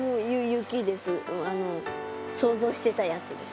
想像してたやつです。